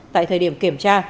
tại thời điểm kiểm tra